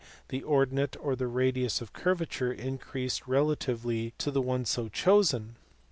the ordinate or radius of curvature) increase relatively to the one so chosen*.